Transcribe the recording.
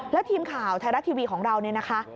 แล้วทีมข่าวไทยรัฐทีวีของเราเนี่ยนะคะ